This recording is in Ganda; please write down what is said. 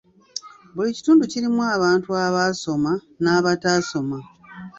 Buli kitundu kirimu abantu abaasoma n'abataasoma.